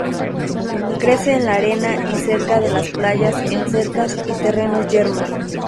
Crece en la arena y cerca de las playas, en cercas y terrenos yermos.